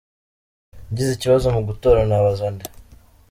Ngize ikibazo mu gutora nabaza nde?.